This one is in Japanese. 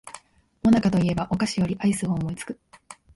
もなかと言えばお菓子よりアイスを思いつく